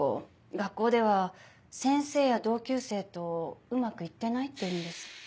学校では先生や同級生とうまく行ってないっていうんです。